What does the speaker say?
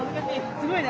すごいね。